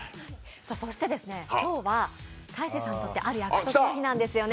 今日は大晴さんにとってある約束の日なんですよね。